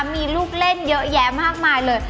มีลูกเล่นเยอะแยะมากมายเลย